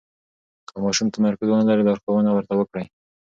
که ماشوم تمرکز ونلري، لارښوونه ورته وکړئ.